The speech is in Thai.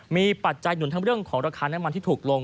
มีปัจจัยหนุนทั้งเรื่องของราคาน้ำมันที่ถูกลง